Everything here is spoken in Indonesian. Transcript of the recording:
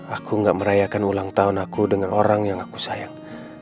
aku gak merayakan ulang tahun aku dengan orang yang aku sayang